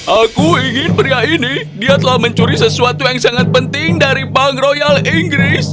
aku ingin pria ini dia telah mencuri sesuatu yang sangat penting dari bank royal inggris